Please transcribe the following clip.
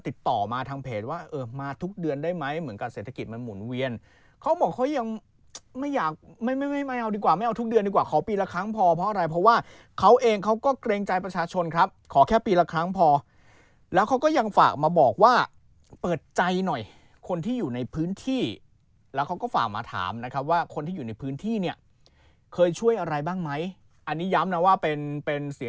ติดต่อมาทางเพจว่าเออมาทุกเดือนได้ไหมเหมือนกับเศรษฐกิจมันหมุนเวียนเขาบอกเขายังไม่อยากไม่ไม่เอาดีกว่าไม่เอาทุกเดือนดีกว่าขอปีละครั้งพอเพราะอะไรเพราะว่าเขาเองเขาก็เกรงใจประชาชนครับขอแค่ปีละครั้งพอแล้วเขาก็ยังฝากมาบอกว่าเปิดใจหน่อยคนที่อยู่ในพื้นที่แล้วเขาก็ฝากมาถามนะครับว่าคนที่อยู่ในพื้นที่เนี่ยเคยช่วยอะไรบ้างไหมอันนี้ย้ำนะว่าเป็นเป็นเสียง